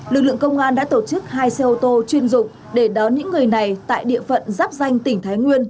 lực lượng công an đã tổ chức hai xe ô tô chuyên dụng để đón những người này tại địa phận giáp danh tỉnh thái nguyên